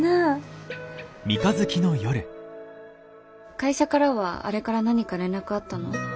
会社からはあれから何か連絡あったの？